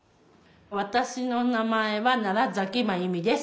私の名前は奈良崎真弓です。